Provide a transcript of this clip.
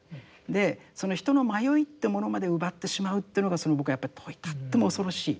でその人の迷いってものまで奪ってしまうというのが僕はやっぱりとっても恐ろしい。